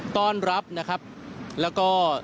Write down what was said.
ต้อนรับแล้วก็